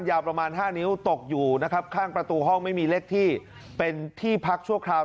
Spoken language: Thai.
ยาวประมาณ๕นิ้วตกอยู่นะครับข้างประตูห้องไม่มีเลขที่เป็นที่พักชั่วคราว